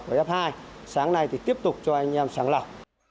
và f hai sáng nay thì tiếp tục cho anh em sàng lọc